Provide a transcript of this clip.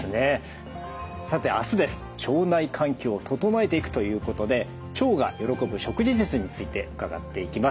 さてあすです腸内環境を整えていくということで腸が喜ぶ食事術について伺っていきます。